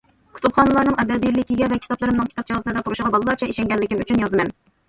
كۇتۇپخانىلارنىڭ ئەبەدىيلىكىگە ۋە كىتابلىرىمنىڭ كىتاب جازىلىرىدا تۇرۇشىغا بالىلارچە ئىشەنگەنلىكىم ئۈچۈن يازىمەن.